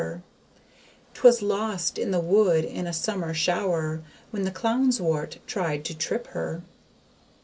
'Twas lost in the wood in a summer shower When the CLOWN'S WORT tried to trip her.